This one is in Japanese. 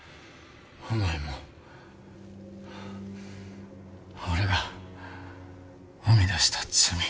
お前も俺が生み出した罪。